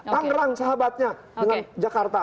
langan sahabatnya dengan jakarta loh